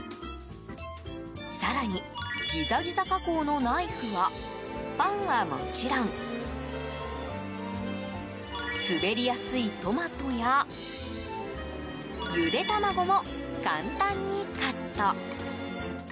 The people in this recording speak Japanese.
更に、ギザギザ加工のナイフはパンはもちろん滑りやすいトマトやゆで卵も簡単にカット。